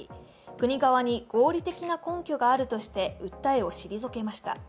国側に合理的な根拠があるとして訴えを退けました。